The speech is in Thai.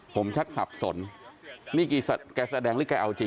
ผมชักสับสนนี่แกแสดงหรือแกเอาจริง